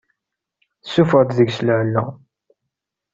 Tessuffeɣ-d deg-s lɛella.